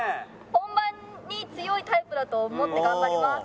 本番に強いタイプだと思って頑張ります。